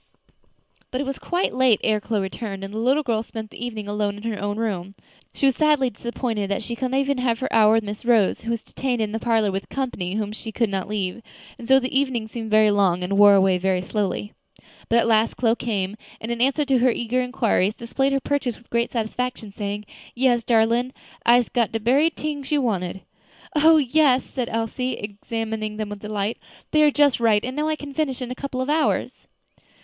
But it was quite late ere Chloe returned, and the little girl spent the evening alone in her own room. She was sadly disappointed that she could not even have her hour with Miss Rose, who was detained in the parlor with company whom she could not leave, and so the evening seemed very long and wore away very slowly. But at last Chloe came, and in answer to her eager inquiries displayed her purchases with great satisfaction, saying, "Yes, darlin', I'se got de berry t'ings you wanted." "Oh! yes," said Elsie, examining them with delight; "they are just right; and now I can finish it in a couple of hours."